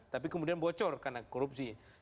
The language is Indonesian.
tapi kemudian bocor karena korupsi